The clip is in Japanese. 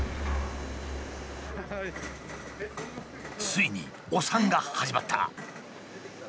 ついにお産が始まった。